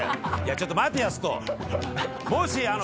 ちょっと待てと。